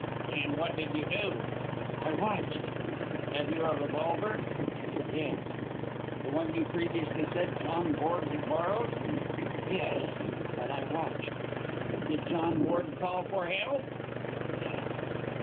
"And what did you do?" "I watched." "Had you a revolver?" "Yes." "The one you previously said John Borg had borrowed?" "Yes; but I watched." "Did John Borg call for help?" "Yes."